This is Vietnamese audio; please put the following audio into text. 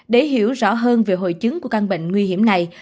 để hiểu rõ hơn về hội chứng của căn bệnh nguy hiểm này